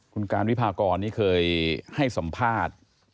คุณการวิพากรนี่เคยให้สัมภาษณ์